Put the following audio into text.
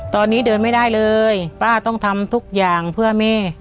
ตอนนี้เดินไม่ได้เลยป้าต้องทำทุกอย่างเพื่อแม่